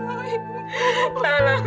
ina kami selamatkan kamu